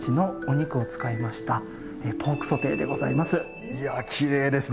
いやきれいですね。